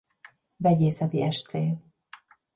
Vegyészeti Sc.